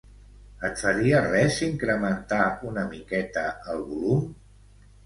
Et faria res incrementar una miqueta el volum?